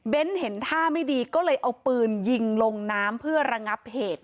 เห็นท่าไม่ดีก็เลยเอาปืนยิงลงน้ำเพื่อระงับเหตุ